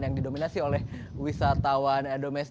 yang didominasi oleh wisatawan